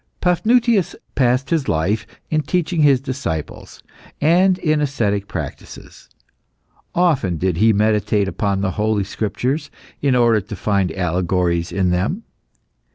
Paphnutius passed his life in teaching his disciples, and in ascetic practices. Often did he meditate upon the Holy Scriptures in order to find allegories in them.